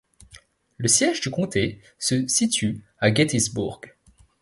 Le siège du comté se situe à Gettysburg.